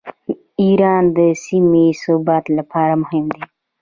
ایران د سیمې د ثبات لپاره مهم دی.